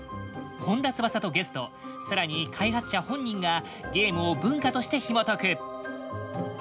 本田翼とゲストさらに開発者本人がゲームを文化としてひもとく。